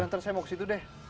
nanti saya mau kesitu deh